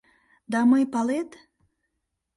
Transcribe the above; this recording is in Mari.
— Да мый, палет...